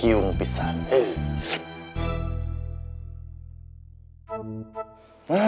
kiung pisah nih